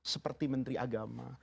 seperti menteri agama